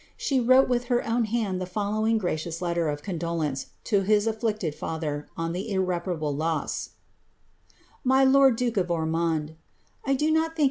She wrote with her own hand tin following gracious letter of condolence to his afflicted &thcr on bii irreparable loss :^ ••Mv lord (lukft of Ormonil, ^1 do not tliiiik Any tliin?